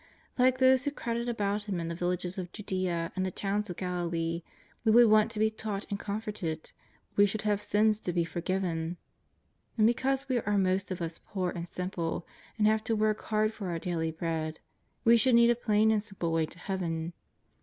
Like those who crowded about Llim in the villages of Judea and the to%vns of Galilee, we should want to be taught and comforted, we should have sins to be forgiven. And because we are most of us poor and simple and have to work hard for our daily bread, we should need a plain and simple way to Heaven.